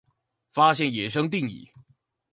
發現野生定義